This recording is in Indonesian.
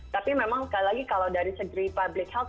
tapi memang sekali lagi kalau dari segi public health